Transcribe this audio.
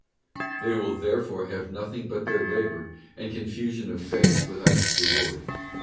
{ They will therefore have nothing but their labour, and confusion of face without its reward.